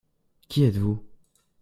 Qui êtes-vous ?